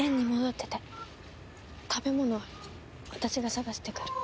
食べ物は私が探してくる。